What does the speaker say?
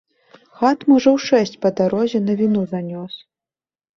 Хат, можа, у шэсць па дарозе навіну занёс.